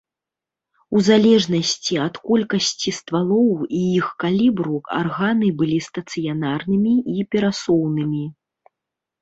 У залежнасці ад колькасці ствалоў і іх калібру, арганы былі стацыянарнымі і перасоўнымі.